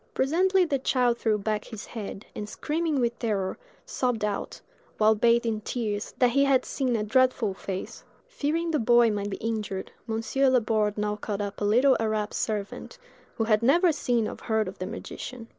Presently the child threw back his head, and screaming with terror, sobbed out, while bathed in tears, that he had seen a dreadful face. Fearing the boy might be injured, Monsieur Laborde now called up a little Arab servant, who had never seen or heard of the magician.